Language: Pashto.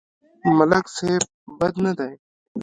ملک صيب بد نه دی.